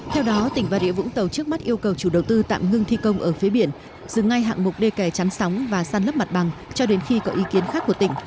theo đó tỉnh bà rịa vũng tàu trước mắt yêu cầu chủ đầu tư tạm ngưng thi công ở phía biển dừng ngay hạng mục đê kè chắn sóng và săn lấp mặt bằng cho đến khi có ý kiến khác của tỉnh